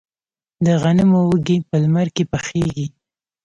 د غنمو وږي په لمر کې پخیږي.